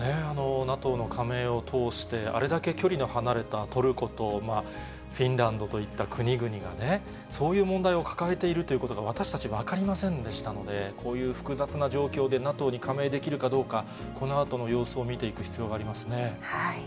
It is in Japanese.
ＮＡＴＯの加盟を通して、あれだけ距離の離れたトルコとフィンランドといった国々がね、そういう問題を抱えているということが私たち、分かりませんでしたので、こういう複雑な状況でＮＡＴＯに加盟できるかどうか、このあとの様子を見ていく必要がありますね。